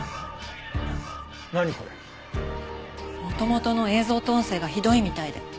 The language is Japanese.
元々の映像と音声がひどいみたいで。